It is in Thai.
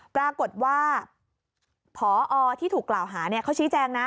ปรากฏว่าพอที่ถูกกล่าวหาเขาชี้แจงนะ